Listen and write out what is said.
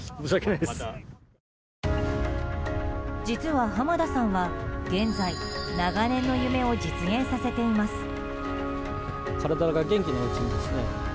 実は濱田さんは現在長年の夢を実現させています。